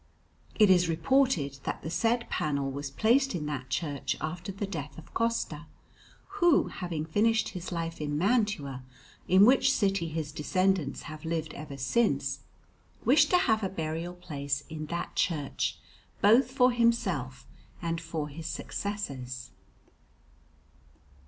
It is reported that the said panel was placed in that church after the death of Costa, who, having finished his life in Mantua, in which city his descendants have lived ever since, wished to have a burial place in that church both for himself and for his successors.